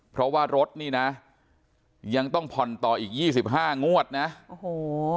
เพราะว่ารถนี่นะยังต้องผ่อนต่ออีกยี่สิบห้างวดนะโอ้โห